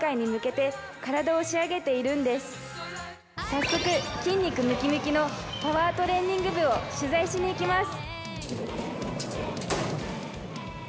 早速、筋肉ムキムキのパワートレーニング部を取材しに行きます。